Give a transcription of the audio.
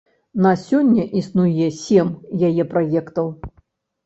На сёння існуе сем яе праектаў.